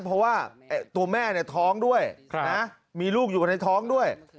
เพราะว่าตัวแม่เนี่ยท้องด้วยนะมีลูกอยู่ในท้องด้วย